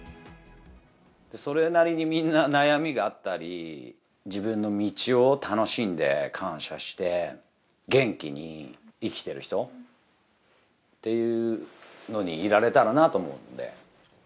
それなりにみんな悩みがあったり、自分の道を楽しんで感謝して、元気に生きてる人っていうのにいられたらなと思うんで。